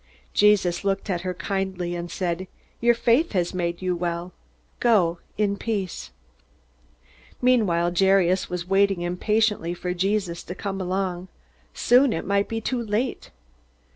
Jesus looked at her kindly, and said: "Your faith has made you well. Go in peace." Meanwhile Jairus was waiting impatiently for Jesus to come along. Soon it might be too late!